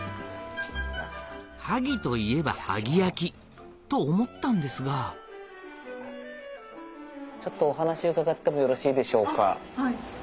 萩といえば萩焼と思ったんですがちょっとお話伺ってもよろしいでしょうか？